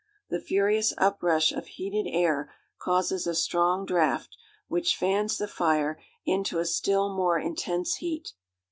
The furious uprush of heated air causes a strong draught, which fans the fire into a still more intense heat.